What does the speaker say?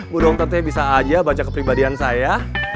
bu dokternya bisa aja baca kepribadian saya